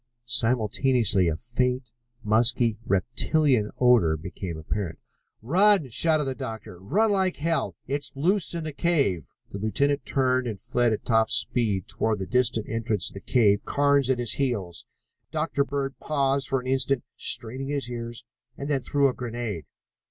Simultaneously a faint, musky, reptilian odor became apparent. "Run!" shouted the doctor. "Run like hell! It's loose in the cave!" The lieutenant turned and fled at top speed toward the distant entrance to the cave, Carnes at his heels. Dr. Bird paused for an instant, straining his ears, and then threw a grenade.